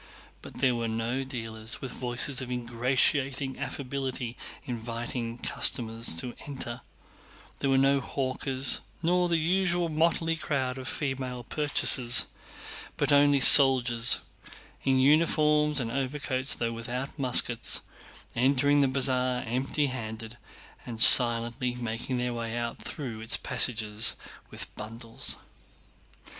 But there were no dealers with voices of ingratiating affability inviting customers to enter; there were no hawkers, nor the usual motley crowd of female purchasers—but only soldiers, in uniforms and overcoats though without muskets, entering the Bazaar empty handed and silently making their way out through its passages with bundles.